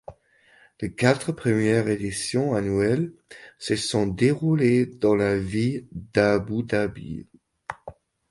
Les quatre premières éditions annuelles se sont déroulés dans la ville d'Abou Dabi.